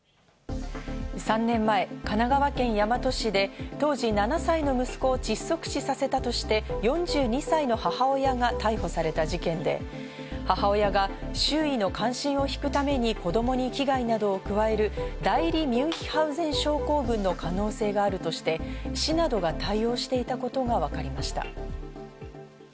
３年前、神奈川県大和市で当時７歳の息子を窒息死させたとして４２歳の母親が逮捕された事件で、母親が周囲の関心を引くために子供に危害など加える代理ミュンヒハウゼン症候群の可能性があるとして市などが対応していたことがわかりました。